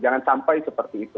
jangan sampai seperti itu